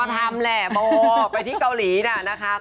ทำแหละโมไปที่เกาหลีน่ะนะคะ